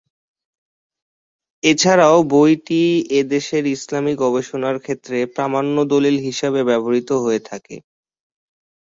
এছাড়াও বইটি এদেশের ইসলামি গবেষণার ক্ষেত্রে প্রামাণ্য দলিল হিসাবে ব্যবহৃত হয়ে থাকে।